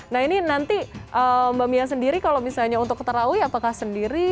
nah ini nanti mbak mia sendiri kalau misalnya untuk tarawih apakah sendiri